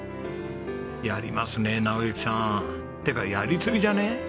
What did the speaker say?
やりますね直行さん。ってかやりすぎじゃね？